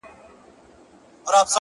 o تا ويل له سره ماله تېره يم خو؛